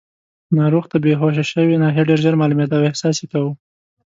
ناروغ ته بېهوښه شوې ناحیه ډېر ژر معلومېده او احساس یې کاوه.